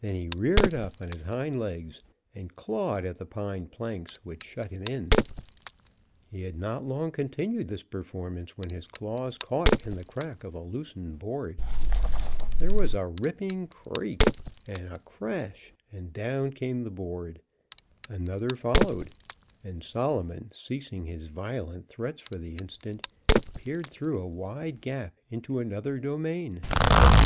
Then he reared up on his hind legs and clawed at the pine planks which shut him in. He had not long continued this performance when his claws caught in the crack of a loosened board. There was a ripping creak and a crash, and down came the board. Another followed, and Solomon, ceasing his violent threats for the instant, peered through a wide gap into another domain.